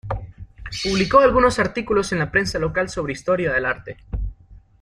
Publicó algunos artículos en la prensa local sobre historia del arte.